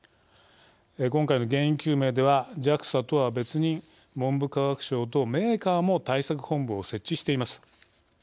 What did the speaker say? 今回の原因究明ではＪＡＸＡとは別に文部科学省とメーカーも対策本部を設置しています。